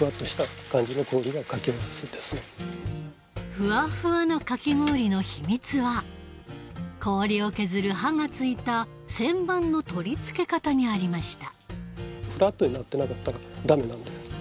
ふわふわのかき氷の秘密は氷を削る刃が付いた旋盤の取り付け方にありました